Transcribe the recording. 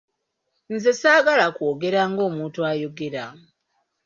Nze ssaagala kwogera nga omuntu ayogera.